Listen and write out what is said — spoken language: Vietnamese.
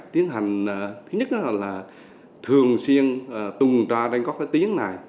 tiến hành thứ nhất là thường xuyên tùng ra trên các tín này